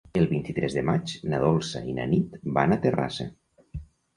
El vint-i-tres de maig na Dolça i na Nit van a Terrassa.